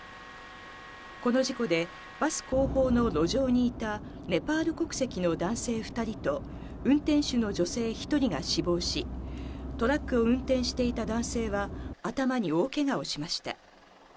この事故で、バス後方の路上にいたネパール国籍の男性２人と、運転手の女性１人が死亡し、トラックを運転していた男性は頭に大けがをしました。